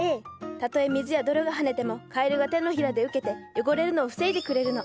たとえ水や泥が跳ねてもカエルが手のひらで受けて汚れるのを防いでくれるの。